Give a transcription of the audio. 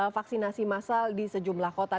vaksinasi massal di sejumlah kota